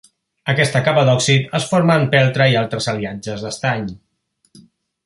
Aquesta capa d'òxid es forma en peltre i altres aliatges d'estany.